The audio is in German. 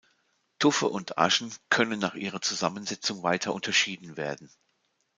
Tuffe und Aschen können nach ihrer Zusammensetzung weiter unterschieden werden.